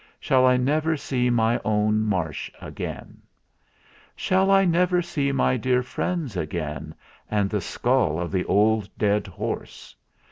Shall I never see my own Marsh again ? "Shall I never see my dear friends again, And the skull of the old dead horse?